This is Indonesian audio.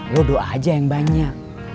lo doa aja yang banyak